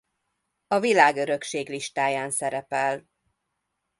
A Világörökség listáján szerepel.